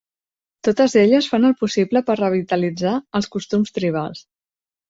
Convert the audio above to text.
Totes elles fan el possible per revitalitzar els costums tribals.